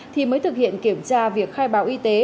thì mới thực hiện kiểm tra việc khai báo y tế